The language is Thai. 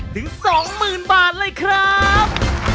ถึง๒หมื่นบาทเลยครับ